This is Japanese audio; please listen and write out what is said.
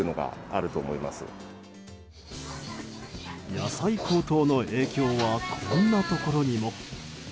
野菜高騰の影響はこんなところにも。